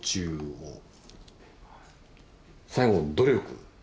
最後「努力」。